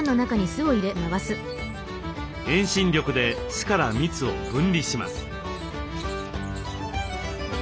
遠心力で巣から蜜を分離します。